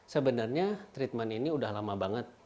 sebenarnya treatment ini udah lama banget